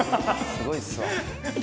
すごいっすわ。